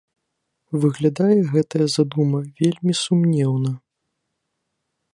Выглядае гэтая задума вельмі сумнеўна.